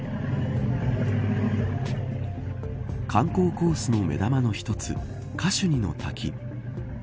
観光コースの目玉の一つカシュニの滝。